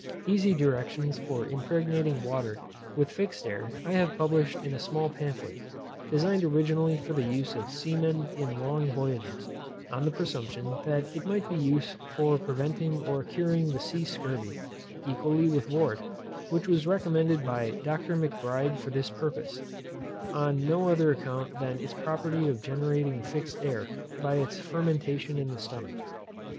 Easy directions for impregnating water with fixed air I have published in a small pamphlet, designed originally for the use of seamen in long voyages, on the presumption that it might be of use for preventing or curing the sea scurvy, equally with wort, which was recommended by Dr. Macbride for this purpose, on no other account than its property of generating fixed air, by its fermentation in the stomach.